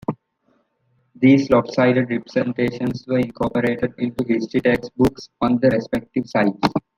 These lopsided representations were incorporated into history text books on the respective sides.